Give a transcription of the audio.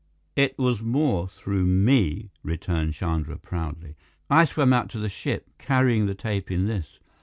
"It was more through me," returned Chandra proudly. "I swam out to the ship, carrying the tape in this."